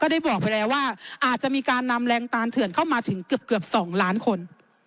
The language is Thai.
ได้บอกไปแล้วว่าอาจจะมีการนำแรงตานเถื่อนเข้ามาถึงเกือบ๒ล้านคน